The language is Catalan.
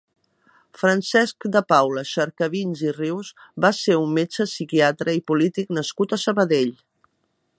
Francesc de Paula Xercavins i Rius va ser un metge psiquiatre i polític nascut a Sabadell.